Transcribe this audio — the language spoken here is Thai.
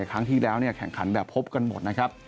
ครั้งที่แล้วแข่งขันแบบพบกันหมดนะครับ